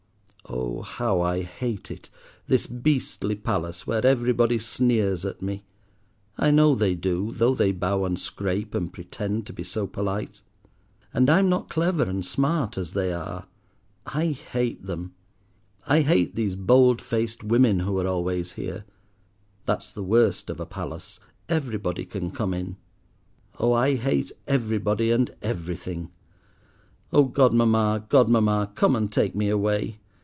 Oh, how I hate it, this beastly palace where everybody sneers at me—I know they do, though they bow and scrape, and pretend to be so polite. And I'm not clever and smart as they are. I hate them. I hate these bold faced women who are always here. That is the worst of a palace, everybody can come in. Oh, I hate everybody and everything. Oh, god mamma, god mamma, come and take me away.